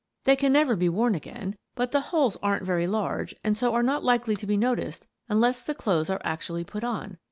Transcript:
They can never be worn again, but the holes aren't very large and so are not likely to be noticed unless the clothes are actually put on.